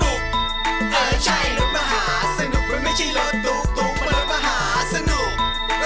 ใช่รถมหาสนุกมันไม่ใช่รถตุ๊กเบอร์มหาสนุก